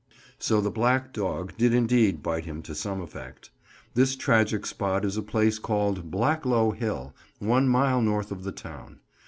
So the "Black Dog" did indeed bite him to some effect. This tragic spot is a place called Blacklow Hill, one mile north of the town.